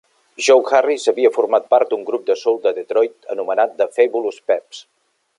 Joe Harris havia format part d'un grup de soul de Detroit anomenat The Fabulous Peps.